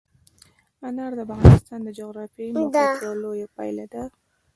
انار د افغانستان د جغرافیایي موقیعت یوه لویه پایله ده.